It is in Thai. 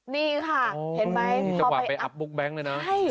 อ๋อนี่จะว่าไปอัพบุ๊คแบงค์เลยนะ